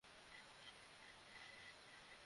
ভিতরে কেউ নেই, ব্রো।